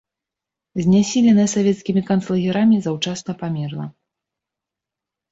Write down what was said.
Знясіленая савецкімі канцлагерамі заўчасна памерла.